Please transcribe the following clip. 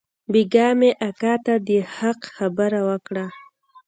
بيگاه مې اکا ته د حق خبره وکړه.